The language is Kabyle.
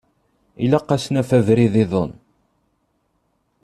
Ilaq ad s-naf abrid-iḍen.